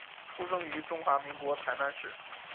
出生于中华民国台南市。